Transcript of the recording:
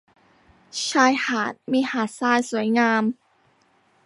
ชายหาดมีหาดทรายสวยงาม